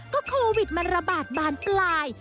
ก็โควิดมันระบาดบานปลาย